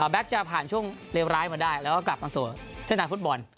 แบ็คจะผ่านช่วงเลวร้ายมาได้แล้วก็กลับมาส่งชนะฟุตบอล